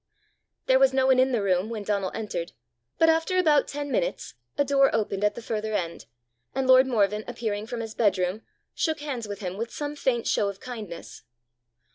There was no one in the room when Donal entered, but after about ten minutes a door opened at the further end, and lord Morven appearing from his bedroom, shook hands with him with some faint show of kindness.